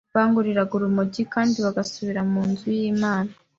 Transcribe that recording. banguriraga urumogi kandi bagasubira mu nzu y’Imana